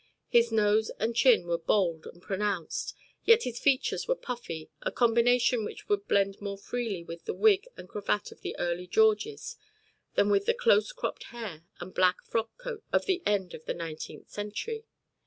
His nose and chin were bold and pronounced, yet his features were puffy, a combination which would blend more freely with the wig and cravat of the early Georges than with the close cropped hair and black frock coat of the end of the nineteenth century.